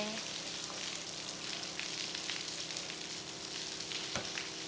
tunggu tahan eike